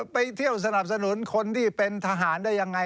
ไปเที่ยวสนับสนุนคนที่เป็นทหารได้ยังไง